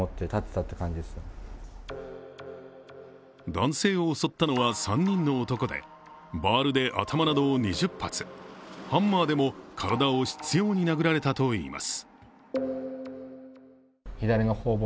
男性を襲ったのは３人の男で、バールで頭を２０発、ハンマーでも体を執ように殴られたといいます。